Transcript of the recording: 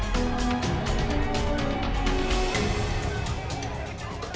jadi kalau uh